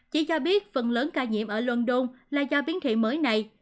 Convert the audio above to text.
chỉ cho biết phần lớn ca nhiễm ở london là do biến thị mới này